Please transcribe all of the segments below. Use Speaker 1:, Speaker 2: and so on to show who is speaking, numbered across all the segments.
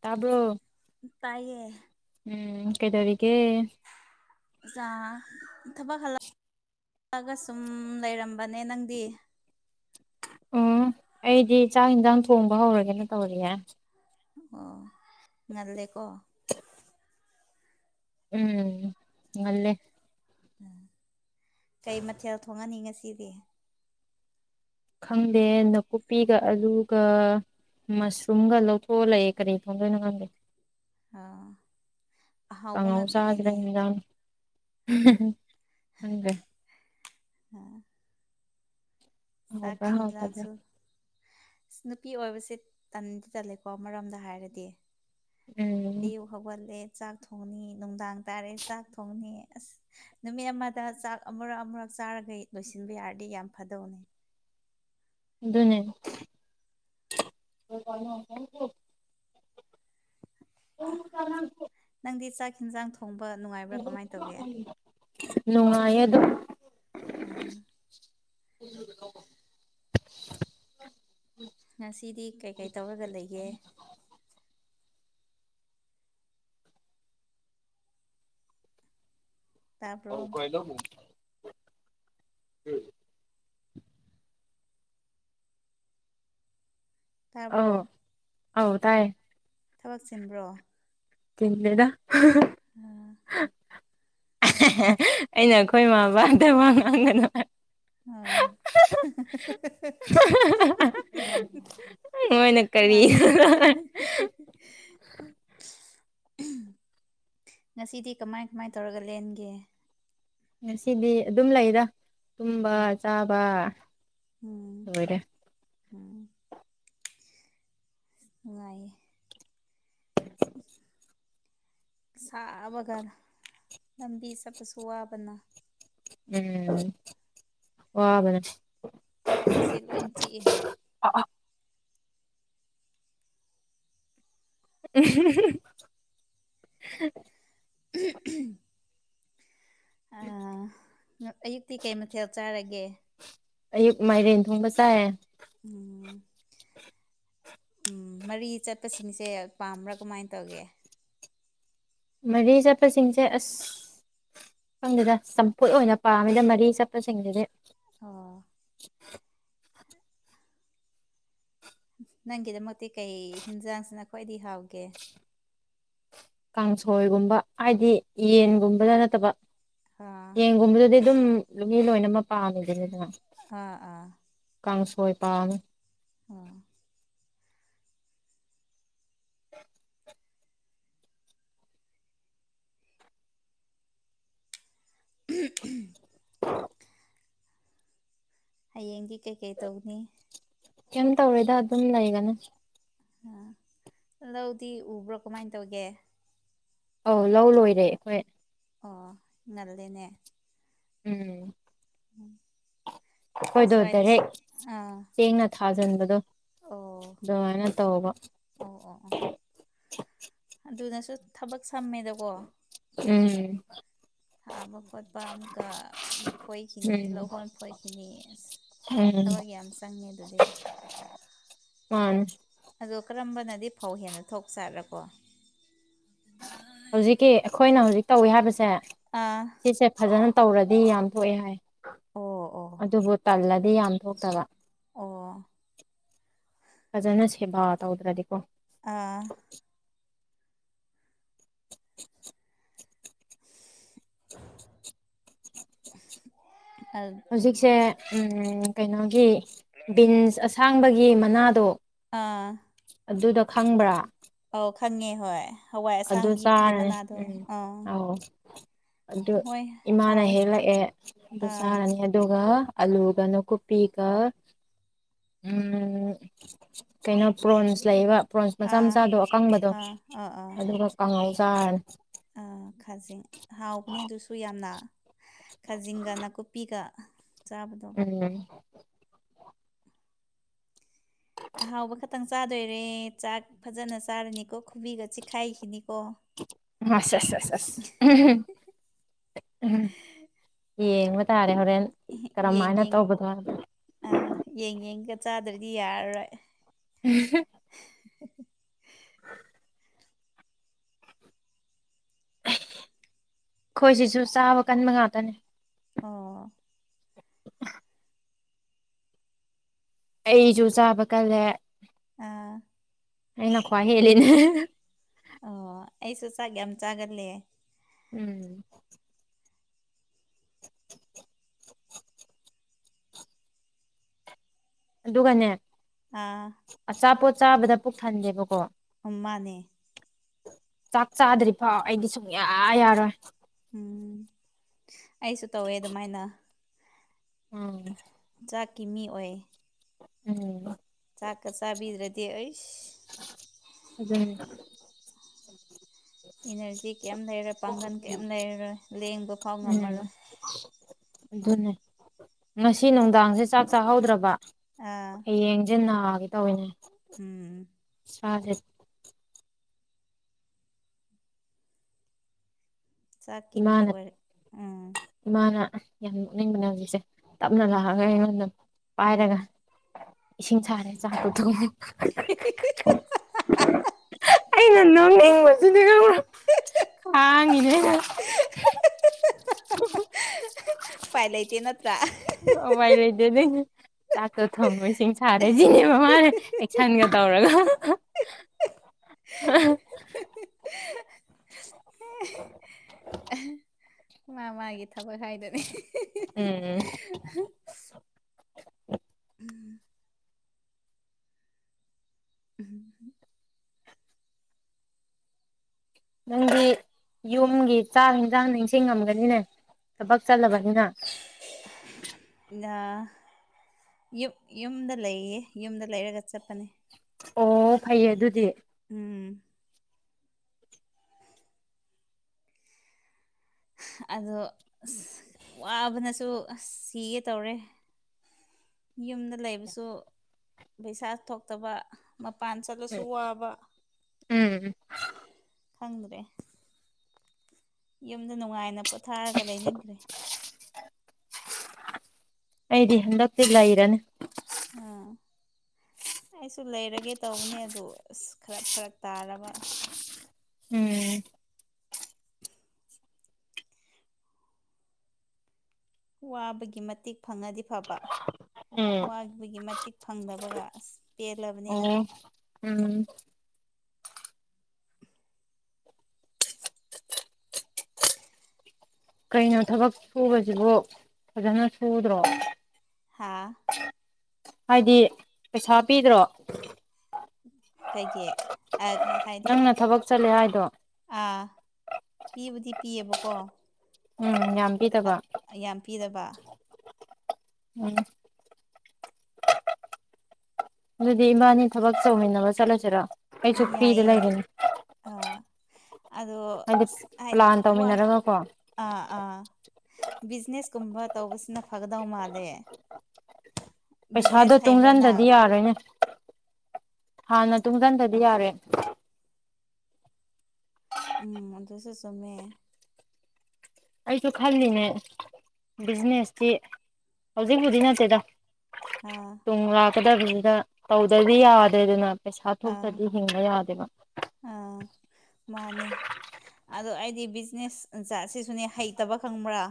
Speaker 1: ꯇꯥꯕ꯭ꯔꯣ
Speaker 2: ꯇꯥꯏꯌꯦ
Speaker 1: ꯎꯝ ꯀꯩ ꯇꯔꯤꯀꯦ
Speaker 2: ꯑꯣ ꯊꯕꯛ ꯍꯂꯑꯒ ꯁꯨꯝ ꯂꯩꯔꯝꯕꯅꯦ ꯅꯪꯗꯤ
Speaker 1: ꯎꯝ ꯑꯩꯗꯤ ꯆꯥꯛ ꯌꯦꯟꯁꯥꯡ ꯊꯣꯡꯕ ꯍꯧꯔꯒꯦꯅ ꯇꯧꯔꯤꯌꯦ
Speaker 2: ꯑꯣ ꯉꯜꯦꯀꯣ
Speaker 1: ꯎꯝ ꯉꯂꯦ
Speaker 2: ꯎꯝ ꯀꯩ ꯃꯊꯦꯜ ꯊꯣꯡꯉꯅꯤ ꯉꯁꯤꯗꯤ
Speaker 1: ꯈꯪꯗꯦ ꯅꯥꯀꯨꯞꯄꯤꯒ ꯑꯂꯨꯒ ꯃꯁꯔꯨꯝꯒ ꯂꯧꯊꯣꯛꯑ ꯂꯩꯦ ꯀꯔꯤ ꯊꯣꯡꯗꯣꯏꯅꯣ ꯈꯪꯗꯦ
Speaker 2: ꯑꯥ ꯑꯍꯥꯎꯕ
Speaker 1: ꯑꯉ ꯆꯥꯖꯔ
Speaker 2: ꯉꯥꯛꯇꯅꯤꯅꯦ
Speaker 1: ꯌꯦꯅ ꯍꯦ
Speaker 2: ꯎꯝ
Speaker 1: ꯍꯥꯎꯕ꯭ꯔꯥ ꯍꯥꯎꯇꯕ꯭ꯔꯥ
Speaker 2: ꯁꯥꯀꯤꯤꯟꯖꯥꯁꯨ ꯅꯨꯄꯤ ꯑꯣꯏꯕꯁꯦ ꯇꯟꯗꯤ ꯇꯜꯂꯦꯀꯣ ꯃꯔꯝꯗ ꯍꯥꯏꯔꯗꯤ
Speaker 1: ꯎꯝ
Speaker 2: ꯑꯌꯨꯛ ꯍꯧꯒꯠꯂꯦ ꯆꯥꯛ ꯊꯣꯡꯅꯤ ꯅꯨꯡꯗꯥꯡ ꯇꯥꯔꯦ ꯆꯥꯛ ꯊꯣꯡꯅꯤ ꯑꯁ ꯅꯨꯃꯤꯠ ꯑꯃꯗ ꯆꯥꯛ ꯑꯃꯨꯔꯛ ꯑꯃꯨꯔꯛ ꯆꯥꯔꯒꯩ ꯂꯣꯏꯁꯤꯟꯕ ꯌꯥꯔꯗꯤ ꯌꯥꯝ ꯐꯗꯧꯅꯦ
Speaker 1: ꯅꯦ ꯍ ꯀ
Speaker 2: ꯅꯪꯗꯤ ꯆꯥꯛ ꯌꯦꯤꯟꯖꯥꯡ ꯊꯣꯡꯕ ꯅꯨꯡꯉꯥꯏꯕ꯭ꯔꯥ ꯀꯃꯥꯏꯅ ꯇꯧꯒꯦ
Speaker 1: ꯅꯨꯡꯉꯥꯏ ꯑꯗꯨꯝ
Speaker 2: ꯎꯝ
Speaker 1: ꯎꯣꯏ
Speaker 2: ꯉꯁꯤꯗꯤ ꯀꯩꯀꯩ ꯇꯧꯔꯒ ꯂꯩꯒꯦ
Speaker 1: ꯍ
Speaker 2: ꯇꯥꯕ꯭ꯔꯣ
Speaker 1: ꯀꯣꯏ ꯂ ꯑ
Speaker 2: ꯇꯥꯕ꯭ꯔꯣ
Speaker 1: ꯑꯥꯎ ꯇꯥꯏꯌꯦ
Speaker 2: ꯊꯕꯛ ꯆꯤꯟꯕ꯭ꯔꯣ
Speaker 1: ꯆꯗ
Speaker 2: ꯑ
Speaker 1: ꯑꯩꯅ ꯑꯩꯈꯣꯏ ꯏꯃꯕꯥꯗ ꯋꯥ ꯉꯥꯡꯒꯅꯨ
Speaker 2: ꯑꯥ
Speaker 1: ꯃꯣꯏꯅ
Speaker 2: ꯃꯥ
Speaker 1: ꯀꯔꯤ
Speaker 2: ꯉꯁꯤꯗꯤ ꯀꯃꯥꯏ ꯀꯃꯥꯏ ꯇꯧꯔꯒ ꯂꯦꯟꯒꯦ
Speaker 1: ꯉꯁꯤꯗꯤ ꯑꯗꯨꯝ ꯂꯩꯗ ꯇꯨꯝꯕ
Speaker 2: ꯎꯝ
Speaker 1: ꯆꯥꯕ
Speaker 2: ꯎꯝ
Speaker 1: ꯂꯣꯏꯔꯦ
Speaker 2: ꯎꯝ ꯅꯨꯡꯉꯑꯌꯦ ꯎꯝ ꯁꯥꯕꯒ ꯂꯝꯕꯤ ꯆꯠꯄꯁꯨ ꯋꯥꯕꯅ
Speaker 1: ꯎꯝ ꯋꯥꯕꯅꯦ
Speaker 2: ꯀꯣꯛ ꯑꯁꯦ ꯂꯣꯏ ꯆꯤꯛꯏ
Speaker 1: ꯑ [inaudible]
Speaker 2: ꯑꯥ ꯑꯌꯨꯛꯇꯤ ꯀꯩ ꯃꯊꯦꯜ ꯆꯥꯔꯒꯦ
Speaker 1: ꯑꯌꯨꯛ ꯃꯥꯏꯔꯦꯟ ꯊꯣꯡꯕ ꯆꯥꯏ
Speaker 2: ꯎꯝ ꯎꯝ ꯃꯔꯤ ꯆꯠꯄꯁꯤꯡꯁꯦ ꯄꯥꯝꯕ꯭ꯔꯥ ꯀꯃꯥꯏ ꯇꯧꯒꯦ
Speaker 1: ꯃꯔꯤ ꯆꯠꯄꯁꯤꯡꯁꯦ ꯑꯁ ꯈꯪꯗꯗ ꯆꯝꯐꯨꯠ ꯑꯣꯏꯅ ꯄꯥꯝꯃꯤꯗ ꯃꯔꯤ ꯆꯠꯄꯁꯤꯡꯗꯨꯗꯤ
Speaker 2: ꯑꯥ
Speaker 1: [inaudible]
Speaker 2: ꯅꯪꯒꯤꯗꯃꯛꯇꯤ ꯀꯩ ꯍꯤꯟꯖꯥꯡꯁꯤꯅ ꯈ꯭ꯋꯥꯏꯗꯩ ꯍꯥꯎꯒꯦ
Speaker 1: ꯀꯥꯡꯁꯣꯏꯒꯨꯝꯕ ꯍꯥꯏꯗꯤ ꯌꯦꯟꯒꯨꯝꯕꯗ ꯅꯠꯇꯕ
Speaker 2: ꯑꯥ
Speaker 1: ꯌꯦꯟꯒꯨꯝꯕꯗꯨꯗꯤ ꯑꯗꯨꯝ ꯃꯤ ꯂꯣꯏꯅ ꯑꯃ ꯄꯥꯝꯃꯦ ꯑꯗꯨꯅꯤ ꯑꯗꯨꯅ
Speaker 2: ꯑꯥ ꯑꯥ
Speaker 1: ꯀꯥꯡꯁꯣꯏ ꯄꯥꯥꯝꯃꯦ
Speaker 2: ꯑꯥ ꯎꯝ
Speaker 1: [inaudible]
Speaker 2: ꯍꯌꯦꯡꯗꯤ ꯀꯩꯀꯩ ꯇꯧꯅꯤ
Speaker 1: ꯀꯩꯝ ꯇꯧꯔꯣꯏꯗ ꯑꯗꯨꯝ ꯂꯩꯒꯅꯤ
Speaker 2: ꯑꯥ ꯂꯧꯗꯤ ꯎꯕ꯭ꯔꯣ ꯀꯃꯥꯏ ꯇꯧꯒꯦ
Speaker 1: ꯑꯧ ꯂꯧ ꯂꯣꯏꯔꯦ ꯑꯩꯈꯣꯏ
Speaker 2: ꯑꯣ ꯉꯜꯂꯦꯅꯦ
Speaker 1: ꯎꯝ
Speaker 2: ꯎꯝ
Speaker 1: ꯑꯩꯈꯣꯏꯗꯣ ꯗꯥꯏꯔꯦꯛ ꯆꯦꯡꯅ ꯊꯥꯖꯤꯟꯕꯗꯣ
Speaker 2: ꯑꯣ
Speaker 1: ꯑꯗꯨꯃꯥꯏꯅ ꯇꯧꯕ
Speaker 2: ꯑꯣ ꯑꯣ ꯑꯣ ꯑꯗꯨꯅꯁꯨ ꯊꯕꯛ ꯁꯝꯃꯦꯗꯀꯣ
Speaker 1: ꯎꯝ
Speaker 2: ꯊꯥꯕ ꯈꯣꯠꯄ ꯑꯃꯒ ꯐꯣꯏꯈꯤꯅꯤ
Speaker 1: ꯎꯝ
Speaker 2: ꯂꯧꯍꯣꯟ ꯐꯣꯏꯈꯤꯅꯤ ꯑꯁ
Speaker 1: ꯎꯝ
Speaker 2: ꯊꯕꯛ ꯌꯥꯝ ꯆꯪꯉꯦ ꯑꯗꯨꯗꯤ
Speaker 1: ꯎꯝ
Speaker 2: ꯑꯗꯣ ꯀꯔꯝꯕꯅꯗꯤ ꯐꯧ ꯍꯦꯟꯅ ꯊꯣꯛ ꯆꯥꯔꯀꯣ
Speaker 1: ꯍꯧꯖꯤꯛꯀꯤ ꯑꯩꯈꯣꯏꯅ ꯍꯧꯖꯤꯛ ꯇꯧꯏꯤ ꯍꯥꯏꯕꯁꯦ
Speaker 2: ꯑꯥ
Speaker 1: ꯁꯤꯁꯦ ꯐꯖꯅ ꯇꯧꯔꯗꯤ ꯌꯥꯝ ꯊꯣꯛꯑꯦ ꯍꯥꯏ
Speaker 2: ꯑꯣ ꯑꯣ
Speaker 1: ꯑꯗꯨꯕꯨ ꯇꯜꯂꯗꯤ ꯌꯥꯝ ꯊꯣꯛꯇꯕ
Speaker 2: ꯑꯣ
Speaker 1: ꯐꯖꯅ ꯁꯦꯕꯥ ꯇꯧꯗ꯭ꯔꯗꯤꯀꯣ
Speaker 2: ꯑꯥ [inaudible]
Speaker 1: ꯍꯧꯖꯤꯛꯁꯦ ꯀꯩꯅꯣꯒꯤ ꯕꯤꯟꯁ ꯑꯁꯥꯡꯕꯒꯤ ꯃꯅꯥꯗꯣ
Speaker 2: ꯑꯥ
Speaker 1: ꯑꯗꯨꯗ ꯈꯪꯕ꯭ꯔꯥ
Speaker 2: ꯑꯧ ꯈꯪꯉꯦ ꯍꯣꯏ ꯍꯋꯥꯏ
Speaker 1: ꯑꯗꯨ
Speaker 2: ꯑꯁꯥꯡꯕꯤꯒꯤ
Speaker 1: ꯆꯥꯔꯅꯤ
Speaker 2: ꯃꯅꯥꯗꯣ
Speaker 1: ꯎꯝ
Speaker 2: ꯑꯥ
Speaker 1: ꯑꯧ ꯑꯗꯨ
Speaker 2: ꯍꯣꯏ
Speaker 1: ꯏꯃꯥꯅ
Speaker 2: ꯍꯥꯎꯋꯦ
Speaker 1: ꯍꯦꯛꯂꯛꯑꯦ ꯑꯗꯨ
Speaker 2: ꯑꯥ
Speaker 1: ꯆꯥꯔꯅꯤ ꯑꯗꯨꯒ ꯑꯜꯂꯨꯒ ꯅꯀꯨꯞꯄꯤꯒ ꯀꯩꯅꯣ ꯄ꯭ꯔꯣꯟꯁ ꯂꯩꯕ ꯄ꯭ꯔꯣꯟꯁ ꯃꯆꯥ
Speaker 2: ꯑꯥ
Speaker 1: ꯃꯆꯥꯗꯣ ꯑꯀꯪꯕꯗꯣ
Speaker 2: ꯑꯥ ꯑꯥ
Speaker 1: ꯑꯗꯨꯒ ꯀꯪꯉꯥꯏ ꯆꯥꯔꯥꯅꯤ
Speaker 2: ꯑ ꯈꯥꯖꯤꯡ ꯍꯥꯎꯕꯅꯦ ꯑꯗꯨꯁꯨ ꯌꯥꯝꯅ ꯈꯥꯖꯤꯡꯒ ꯅꯥꯀꯨꯞꯄꯤꯒ ꯆꯥꯕꯗꯣ
Speaker 1: ꯎꯝ
Speaker 2: ꯑꯍꯥꯎꯕ ꯈꯛꯇꯪ ꯆꯥꯗꯣꯏꯔꯦ ꯆꯥꯛ ꯐꯖꯅ ꯆꯥꯔꯅꯤꯀꯣ ꯈꯨꯕꯤꯒ ꯆꯤꯈꯥꯏꯈꯤꯅꯤꯀꯣ
Speaker 1: ꯑꯁ ꯑꯁ ꯑꯁ ꯌꯦꯡꯕ ꯇꯥꯔꯦ ꯍꯣꯔꯦꯟ
Speaker 2: ꯌꯦꯡ
Speaker 1: ꯀꯔꯝꯍꯥꯏꯅ
Speaker 2: ꯌꯦꯡ
Speaker 1: ꯇꯧꯕꯗꯣ
Speaker 2: ꯑꯥ ꯌꯦꯡ ꯌꯦꯡꯒ ꯆꯥꯗ꯭ꯔꯗꯤ ꯌꯥꯔꯔꯣꯏ
Speaker 1: ꯎꯝ
Speaker 2: [inaudible]
Speaker 1: ꯈꯣꯏꯁꯤꯁꯨ ꯆꯥꯕ ꯀꯟꯕ ꯉꯥꯛꯇꯅꯦ
Speaker 2: ꯑꯣ
Speaker 1: ꯑꯩꯁꯨ ꯆꯥꯕ ꯀꯜꯂꯦ
Speaker 2: ꯑꯥ
Speaker 1: ꯑ ꯅꯈ꯭ꯋꯥ ꯍꯦꯅꯦ
Speaker 2: ꯑꯣ ꯑꯩꯁꯨ ꯆꯥꯛꯒꯦ ꯌꯥꯝ ꯆꯥꯒꯂꯦ
Speaker 1: ꯎꯝ ꯑꯗꯨꯒꯅꯦ
Speaker 2: ꯑꯥ
Speaker 1: ꯑꯆꯥꯄꯣꯠ ꯆꯥꯕꯗ ꯄꯨꯛ ꯊꯟꯒꯦꯕꯀꯣ
Speaker 2: ꯃ ꯃꯥꯅꯦ
Speaker 1: ꯆꯥꯛ ꯆꯥꯗ꯭ꯔꯤ ꯐꯥꯎ ꯑꯩꯗꯤ ꯁꯨꯡꯌꯥ ꯌꯥꯔꯣꯏ
Speaker 2: ꯎꯝ ꯑꯩꯁꯨ ꯇꯧꯋꯦ ꯑꯗꯨꯃꯥꯏꯅ
Speaker 1: ꯎꯝ
Speaker 2: ꯆꯥꯛꯀꯤ ꯃꯤ ꯑꯣꯏ
Speaker 1: ꯎꯝ
Speaker 2: ꯆꯥꯛꯀ ꯆꯥꯕꯤꯗ꯭ꯔꯗꯤ ꯑꯩ
Speaker 1: ꯑꯗꯨꯗꯅꯦ
Speaker 2: ꯏꯅꯔꯖꯤ ꯀꯌꯥꯝ ꯂꯩꯔꯣꯏ ꯄꯥꯡꯒꯜ ꯀꯌꯥꯝ ꯂꯩꯔꯔꯣꯏ ꯂꯦꯡꯕ ꯐꯥꯎ
Speaker 1: ꯎꯝ
Speaker 2: ꯉꯝꯃꯔꯣꯏ
Speaker 1: ꯑꯗꯨꯅꯦ ꯉꯁꯤ ꯅꯨꯡꯗꯥꯡꯁꯦ ꯆꯥꯛ ꯆꯥꯍꯧꯗ꯭ꯔꯕ
Speaker 2: ꯑꯥ
Speaker 1: ꯍꯌꯦꯡꯁꯦ ꯅꯥꯒꯦ ꯇꯧ ꯏꯅꯦ
Speaker 2: ꯎꯝ
Speaker 1: ꯁꯥ
Speaker 2: ꯆꯥꯛꯀꯤ ꯃꯤ
Speaker 1: ꯏꯃꯥꯅ
Speaker 2: ꯑꯣꯏꯔ ꯎꯝ
Speaker 1: ꯏꯃꯥꯅ ꯌꯥꯝ ꯅꯣꯛꯅꯤꯡꯕꯅꯦ ꯍꯧꯖꯤꯛꯁꯦ ꯇꯞꯅ
Speaker 2: ꯎꯝ
Speaker 1: ꯂꯥꯛꯑꯒ ꯑꯩꯉꯣꯟꯗ
Speaker 2: ꯎꯝ
Speaker 1: ꯄꯥꯏꯔꯒ ꯏꯁꯤꯡ ꯁꯥꯔꯦ ꯆꯥ ꯊꯣꯡ [unintelligible] ꯑꯩꯅ ꯅꯣꯡꯅꯤꯡꯕꯁꯤꯗꯤꯔ ꯈꯥꯡꯉꯤꯅꯦ [inaudible]
Speaker 2: ꯄꯥꯏ ꯂꯩꯇꯦ ꯅꯠꯇ꯭ꯔꯥ
Speaker 1: ꯍꯋꯥꯏ ꯂꯩꯇꯦ ꯅ ꯆꯥꯛꯇ ꯊꯣꯡꯕꯁꯤꯡ ꯁꯥꯔꯦꯁꯤꯅꯦ ꯃ ꯃꯥꯜꯂꯦ ꯑꯦꯛꯁꯟꯒ ꯇꯧꯔꯒ [inaudible]
Speaker 2: ꯃꯥ ꯃꯥꯒꯤ ꯊꯕꯛ ꯍꯥꯏꯗꯅꯦ
Speaker 1: ꯎꯝ
Speaker 2: [unintelligible] ꯎꯝ [inaudible]
Speaker 1: ꯅꯪꯗꯤ ꯌꯨꯝꯒꯤ ꯆꯥꯛ ꯌꯦꯟꯖꯥꯡ ꯅꯤꯡꯁꯤꯡꯉꯝꯒꯅꯤꯅꯦ ꯊꯕꯛ ꯆꯠꯂꯕꯅꯤꯅ
Speaker 2: ꯌ ꯌꯨꯝꯗ ꯂꯩꯌꯦ ꯌꯨꯝꯗ ꯂꯩꯔꯒ ꯆꯠꯄꯅꯦ
Speaker 1: ꯑꯣ ꯐꯩꯌꯦ ꯑꯗꯨꯗꯤ
Speaker 2: ꯎꯝ [inaudible] ꯑꯗꯣ ꯑꯁ ꯋꯥꯕꯅꯁꯨ ꯁꯤꯒꯦ ꯇꯧꯔꯦ ꯌꯨꯝꯗ ꯂꯩꯕꯁꯨ ꯄꯩꯁꯥ ꯊꯣꯛꯇꯕ ꯃꯄꯥꯟ ꯆꯠꯂꯁꯨ ꯋꯥꯕ
Speaker 1: ꯎꯝ
Speaker 2: ꯈꯪꯗꯦ ꯌꯨꯝꯗ ꯅꯨꯡꯉꯥꯏꯅ ꯄꯣꯊꯥꯔꯒ ꯂꯩꯅꯤꯡꯈ꯭ꯔꯦ
Speaker 1: ꯑꯩꯗꯤ ꯍꯟꯗꯛꯇꯤ ꯂꯩꯔꯅꯤ
Speaker 2: ꯎꯝ ꯑꯩꯁꯨ ꯂꯩꯔꯒꯦ ꯇꯧꯕꯅꯦ ꯑꯗꯣ ꯑꯁ ꯈꯔ ꯐꯔꯛ ꯇꯥꯔꯕ
Speaker 1: ꯎꯝ
Speaker 2: [inaudible] ꯋꯥꯕꯒꯤ ꯃꯇꯤꯛ ꯐꯪꯉꯗꯤ ꯐꯕ
Speaker 1: ꯎꯝ
Speaker 2: ꯋꯥꯕꯒꯤ ꯃꯇꯤꯛ ꯐꯪꯗꯕꯒ ꯑꯁ ꯄꯦꯜꯂꯕꯅꯤꯗ
Speaker 1: ꯑꯣ ꯎꯝ ꯀꯩꯅꯣ ꯊꯕꯛ ꯁꯨꯕꯁꯤꯕꯨ ꯐꯖꯅ ꯁꯨꯗ꯭ꯔꯣ
Speaker 2: ꯍꯥꯥ
Speaker 1: ꯍꯥꯏꯗꯤ ꯄꯩꯁꯥ ꯄꯤꯗ꯭ꯔꯣ
Speaker 2: ꯀꯩꯒꯤ ꯑ
Speaker 1: ꯅꯪꯅ ꯊꯕꯛ ꯆꯠꯂꯦ ꯍꯥꯏꯗꯣ
Speaker 2: ꯑꯥ ꯄꯤꯕꯨꯗꯤ ꯄꯤꯌꯦꯕꯀꯣ
Speaker 1: ꯎꯝ ꯌꯥꯝ ꯄꯤꯗꯕ
Speaker 2: ꯌꯥꯝ ꯄꯤꯗꯕ
Speaker 1: ꯎꯝ ꯑꯗꯨꯗꯤ ꯏꯕꯥꯅꯤ ꯊꯕꯛ ꯇꯧꯃꯤꯟꯅꯕ ꯆꯠꯂꯁꯤꯔꯣ ꯑꯩꯁꯨ ꯐ꯭ꯔꯤꯗ
Speaker 2: ꯌꯥꯏꯑꯦ
Speaker 1: ꯂꯩꯒꯅꯤ
Speaker 2: ꯑ ꯑꯗꯣ
Speaker 1: ꯍꯥꯏꯗꯤ
Speaker 2: ꯍꯥꯏ
Speaker 1: ꯄ꯭ꯂꯥꯟ
Speaker 2: ꯋꯥ
Speaker 1: ꯇꯧꯃꯤꯟꯅꯔꯒꯀꯣ
Speaker 2: ꯑꯥ ꯑꯥ ꯕꯤꯖꯤꯅꯦꯁꯀꯨꯝꯕ ꯇꯧꯕꯁꯤꯅ ꯐꯒꯗꯧ ꯃꯥꯜꯂꯦ [inaudible]
Speaker 1: ꯄꯩꯁꯥꯗꯣ
Speaker 2: ꯍꯩꯕ꯭ꯔꯥ
Speaker 1: ꯇꯨꯡꯁꯤꯟꯗꯗꯤ
Speaker 2: ꯅꯪ
Speaker 1: ꯌꯥꯔꯣꯏꯅꯦ ꯍꯥꯟꯅ ꯇꯨꯡꯁꯤꯟꯗꯗꯤ ꯌꯥꯔꯣꯏꯅꯦ
Speaker 2: ꯎꯝ ꯑꯗꯨꯁꯨ ꯆꯨꯝꯃꯦ
Speaker 1: ꯑꯩꯁꯨ ꯈꯜꯂꯤꯅꯦ ꯕꯤꯖꯤꯅꯦꯁꯇꯤ ꯍꯧꯖꯤꯛ ꯍꯧꯖꯤꯛ ꯅꯠꯇꯦꯗ
Speaker 2: ꯑꯥ
Speaker 1: ꯇꯨꯡ ꯂꯥꯛꯀꯗꯕꯁꯤꯗ ꯇꯧꯗ꯭ꯔꯗꯤ ꯌꯥꯗ꯭ꯔꯦꯗꯅ ꯄꯩꯁꯥ
Speaker 2: ꯑꯥ
Speaker 1: ꯊꯣꯛꯇ꯭ꯔꯗꯤ ꯍꯤꯡꯕ ꯌꯥꯗꯦꯕ
Speaker 2: ꯑꯥ ꯃꯥꯅꯦ ꯑꯗꯣ ꯑꯩꯗꯤ ꯕꯤꯖꯤꯅꯦꯁ ꯁꯤꯁꯨꯅꯦ ꯍꯩꯇꯕ ꯈꯪꯕ꯭ꯔꯥ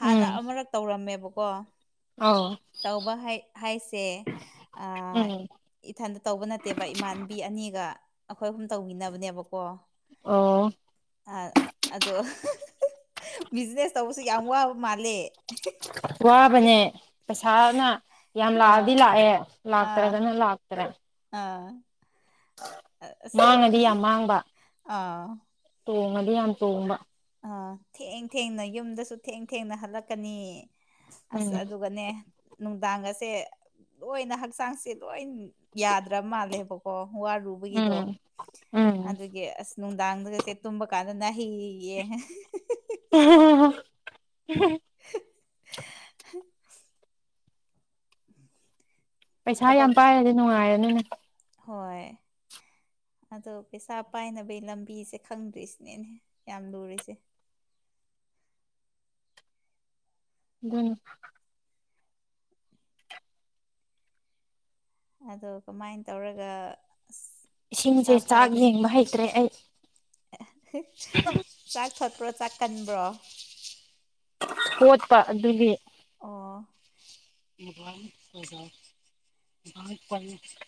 Speaker 2: ꯍꯥꯟꯅ ꯑꯃꯔꯛ ꯇꯧꯔꯝꯃꯦꯕꯀꯣ
Speaker 1: ꯑꯥꯎ
Speaker 2: ꯇꯧꯕ ꯍꯥꯏꯁꯦ ꯑ
Speaker 1: ꯎꯝ
Speaker 2: ꯏꯊꯟꯇ ꯇꯧꯕ ꯅꯠꯇꯦꯕ ꯏꯃꯥꯟꯅꯕꯤ ꯑꯅꯤꯒ ꯑꯩꯈꯣꯏ ꯑꯍꯨꯝ ꯇꯧꯃꯤꯟꯅꯕꯅꯦꯕꯀꯣ
Speaker 1: ꯑꯣ
Speaker 2: ꯑ ꯑꯗꯣ ꯕꯤꯖꯤꯅꯦꯁ ꯇꯧꯕꯁꯨ ꯌꯥꯝ ꯋꯥꯕ ꯃꯥꯜꯂꯦ
Speaker 1: ꯋꯥꯕꯅꯦ ꯄꯩꯁꯥꯅ ꯌꯥꯝ ꯂꯥꯛꯑꯗꯤ
Speaker 2: ꯑꯥ
Speaker 1: ꯂꯥꯛꯑꯦ
Speaker 2: ꯑꯥ
Speaker 1: ꯂꯥꯛꯇ꯭ꯔꯒꯅ ꯂꯥꯛꯇ꯭ꯔꯦ
Speaker 2: ꯑꯥ ꯑꯁ
Speaker 1: ꯃꯥꯡꯉꯗꯤ ꯌꯥꯝ ꯃꯥꯡꯕ
Speaker 2: ꯑꯥ
Speaker 1: ꯇꯣꯡꯉꯗꯤ ꯌꯥꯝ ꯇꯣꯡꯕ
Speaker 2: ꯑꯥ ꯊꯦꯡ ꯊꯦꯡꯅ ꯌꯨꯝꯗꯁꯨ ꯊꯦꯡ ꯊꯦꯡꯅ ꯍꯜꯂꯛꯀꯅꯤ ꯑꯁ
Speaker 1: ꯎꯝ
Speaker 2: ꯑꯗꯨꯒꯅꯦ ꯅꯨꯡꯗꯥꯡꯒꯁꯦ ꯂꯣꯏꯅ ꯍꯛꯆꯥꯡꯁꯦ ꯂꯣꯏ ꯌꯥꯗ꯭ꯔ ꯃꯥꯜꯂꯦꯕꯀꯣ ꯋꯥꯔꯨ ꯕꯒꯤꯗꯣ
Speaker 1: ꯎꯝ ꯎꯝ
Speaker 2: ꯑꯗꯨꯒꯤ ꯑꯁ ꯅꯨꯡꯗꯥꯡꯗꯒꯁꯦ ꯇꯨꯝꯕ ꯀꯥꯟꯗ ꯅꯥꯍꯦꯌꯦ
Speaker 1: ꯍꯦ ꯍꯦ ꯍꯦ
Speaker 2: [unintelligible] ꯎꯝ [inaudible]
Speaker 1: ꯄꯩꯁꯥ ꯌꯥꯝ ꯄꯥꯏꯔꯗꯤ ꯅꯨꯡꯉꯥꯏꯔꯅꯤꯅꯦ
Speaker 2: ꯍꯣꯏ ꯑꯗꯣ ꯄꯩꯁꯥ ꯄꯥꯏꯅꯕꯒꯤ ꯂꯝꯕꯤꯁꯦ ꯈꯪꯗ꯭ꯔꯤꯁꯤꯅꯦꯅꯦ ꯌꯥꯝ ꯂꯨꯔꯤꯁꯦ
Speaker 1: ꯑꯗꯨꯅꯤ
Speaker 2: ꯑꯗꯣ ꯀꯃꯥꯏꯅ ꯇꯧꯔꯒ ꯑꯁ ꯄꯩꯁꯥ
Speaker 1: ꯏꯁꯤꯡꯁꯦ ꯆꯥꯛ
Speaker 2: ꯄꯥꯏꯗꯣꯏꯅꯣ
Speaker 1: ꯌꯦꯡꯕ ꯍꯩꯇ꯭ꯔꯦ ꯑꯩ
Speaker 2: ꯆꯥꯛ ꯊꯣꯠꯄ꯭ꯔꯣ ꯆꯥꯛ ꯀꯟꯕ꯭ꯔꯣ
Speaker 1: ꯊ‌ꯣꯠꯄ ꯑꯗꯨꯒꯤ
Speaker 2: ꯑꯣ
Speaker 1: ꯃꯣꯕꯥꯏꯜ ꯃꯣꯕꯥꯏꯜ [unintelligible]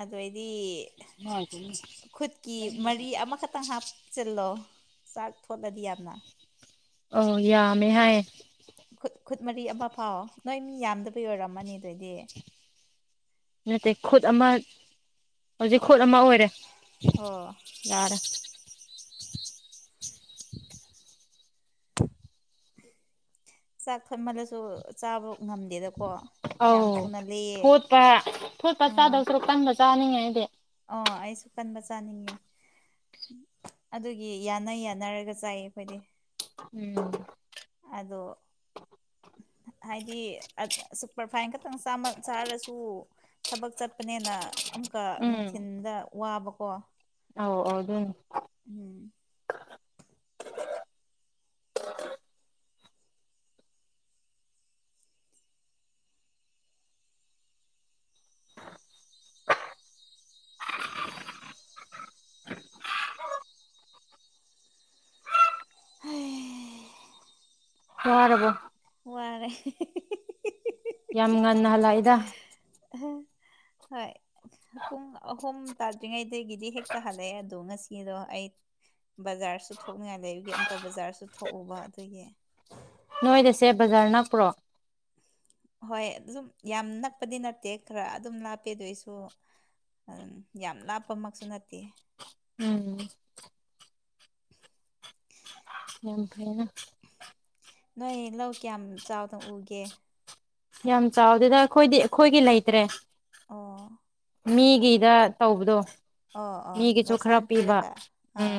Speaker 2: ꯑꯗꯨꯏꯗꯤ ꯈꯨꯠꯀꯤ ꯃꯔꯤ ꯑꯃꯈꯛꯇꯪ ꯍꯥꯞ ꯆꯤꯜꯂꯣ ꯆꯥꯛ ꯊꯣꯠꯂꯗꯤ ꯌꯥꯝꯅ
Speaker 1: ꯑꯣ ꯌꯥꯝꯃꯦ ꯍꯥꯏꯌꯦ
Speaker 2: ꯈꯨꯠ ꯈꯨꯠ ꯃꯔꯤ ꯑꯃ ꯐꯥꯎ ꯅꯣꯏ ꯃꯤ ꯌꯥꯝꯗꯕ‌ꯩ ꯑꯣꯏꯔꯝꯃꯅꯤ ꯑꯗꯨꯏꯗꯤ
Speaker 1: ꯅꯠꯇꯦ ꯈꯨꯠ ꯑꯃ ꯍꯧꯖꯤꯛ ꯈꯨꯠ ꯑꯃ ꯑꯣꯏꯔꯦ
Speaker 2: ꯑꯣ
Speaker 1: ꯌꯥꯔ‌ꯦ
Speaker 2: [inaudible] ꯆꯥꯛ ꯊ‌ꯣꯠꯃꯜꯂꯁꯨ ꯆꯥꯕ ꯉꯝꯗꯦꯗꯀꯣ ꯌꯥꯝ
Speaker 1: ꯑꯧ
Speaker 2: ꯊꯨꯅ ꯂꯩꯌꯦ
Speaker 1: ꯊꯣꯠꯄ ꯊꯣꯠꯄ ꯆꯥꯗꯕꯁꯨ ꯀꯟꯕ ꯆꯥꯅꯤꯡꯉ‌ꯦ ꯑꯩꯗꯤ
Speaker 2: ꯑꯣ ꯑꯩꯁꯨ ꯀꯟꯕ ꯆꯥꯅꯤꯡꯉꯦ ꯑꯗꯨꯒꯤ ꯌꯥꯅ ꯌꯥꯅꯔꯒ ꯆꯥꯏꯌꯦ ꯑꯩꯈꯣꯏꯗꯤ
Speaker 1: ꯎꯝ
Speaker 2: ꯑꯗꯣ ꯍꯥꯏꯗꯤ ꯁꯨꯄ꯭ꯔ ꯐꯥꯏꯟ ꯈꯛꯇꯪ ꯆꯥꯃꯜ ꯆꯥꯔꯁꯨ ꯊꯕꯛ ꯆꯠꯄꯅꯦꯅ ꯑꯃꯨꯛꯀ
Speaker 1: ꯎꯝ
Speaker 2: ꯅꯨꯡꯊꯤꯟꯗ ꯋꯥꯕꯀꯣ
Speaker 1: ꯑꯧ ꯑꯣꯏꯗꯨꯅꯤ
Speaker 2: ꯎꯝ ꯍꯥꯏ
Speaker 1: ꯋꯥꯔꯥꯕ‌ꯣ
Speaker 2: ꯋꯥꯔ‌ꯦ
Speaker 1: ꯌꯥꯝ ꯉꯟꯅ ꯍꯜꯂꯛꯏꯗ
Speaker 2: ꯑꯍꯥ ꯍ‌ꯣꯏ ꯄꯨꯡ ꯑꯍꯨꯝ ꯇꯥꯗ꯭ꯔꯤꯉꯩꯗꯒꯤꯗꯤ ꯍꯦꯛꯇ ꯍꯜꯂꯛꯑꯦ ꯑꯗꯣ ꯉꯁꯤꯗꯣ ꯑꯩ ꯕꯖꯥ꯭ꯔꯁꯨ ꯊꯣꯛꯅꯤꯡꯉꯥꯏ ꯂꯩꯒꯤ ꯑꯃꯨꯛꯀ ꯕꯖꯥ꯭ꯔꯁꯨ ꯊꯣꯛꯎꯕ ꯑꯗꯨꯒꯤ
Speaker 1: ꯅꯣꯏꯗꯁ‌ꯦ ꯕꯖꯥ꯭ꯔ ꯅꯛꯄ꯭ꯔꯣ
Speaker 2: ꯍꯣꯏ ꯑꯗꯨꯝ ꯌꯥꯝ ꯅꯛꯄꯗꯤ ꯅꯠꯇꯦ ꯈꯔ ꯑꯗꯨꯝ ꯂꯥꯞꯄꯦ ꯑꯗꯨꯏꯁꯨ ꯑꯗꯨ ꯌꯥꯝ ꯂꯥꯞꯄꯃꯛꯁꯨ ꯅꯠꯇꯦ
Speaker 1: ꯎꯝ
Speaker 2: [inaudible]
Speaker 1: ꯌꯥꯝ ꯐꯩꯅ
Speaker 2: ꯅꯣꯏ ꯂꯧ ꯀꯌꯥꯝ ꯆꯥꯎꯅ ꯎꯒꯦ
Speaker 1: ꯌꯥꯝ ꯆꯥꯎꯗꯦꯗ ꯑꯩꯈꯣꯏꯗꯤ ꯑꯩꯈꯣꯏꯒꯤ ꯂꯩꯇ꯭ꯔꯦ
Speaker 2: ꯑꯣꯥ
Speaker 1: ꯃꯤꯒꯤꯗ ꯇꯧꯕꯗꯣ
Speaker 2: ꯑꯣ ꯑꯣ
Speaker 1: ꯃꯤꯒꯤꯁꯨ ꯈꯔ
Speaker 2: ꯂꯧꯁꯥꯟ
Speaker 1: ꯄꯤꯕ
Speaker 2: ꯄꯤꯔꯒ
Speaker 1: ꯎꯝ
Speaker 2: ꯑꯥ